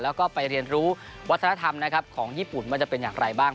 แล้วก็ไปเรียนรู้วัฒนธรรมนะครับของญี่ปุ่นว่าจะเป็นอย่างไรบ้าง